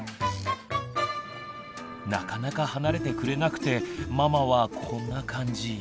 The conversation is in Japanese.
なかなか離れてくれなくてママはこんな感じ。